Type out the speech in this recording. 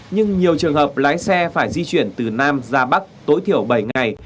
nhưng nhiều trường hợp lái xe phải di chuyển từ nam ra bắc tối thiểu bảy ngày